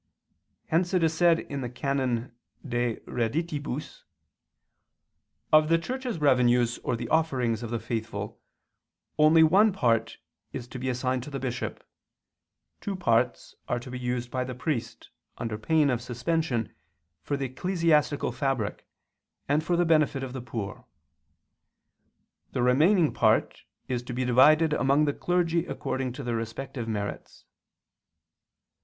Hence it is said (XII, qu. ii, can. de reditibus): "Of the Church's revenues or the offerings of the faithful only one part is to be assigned to the bishop, two parts are to be used by the priest, under pain of suspension, for the ecclesiastical fabric, and for the benefit of the poor; the remaining part is to be divided among the clergy according to their respective merits."